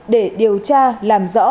để điều tra làm rõ